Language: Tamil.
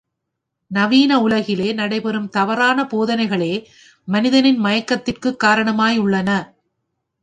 நவீன உலகிலே நடை பெறும் தவறான போதனைகளே மனிதனின் மயக்கத்திற்குக் காரணமாயுள்ளன.